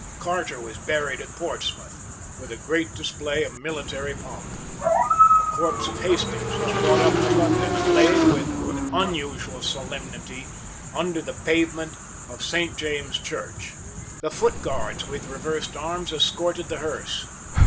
Carter was buried at Portsmouth, with a great display of military pomp. The corpse of Hastings was brought up to London, and laid, with unusual solemnity, under the pavement of Saint James's Church. The footguards with reversed arms escorted the hearse.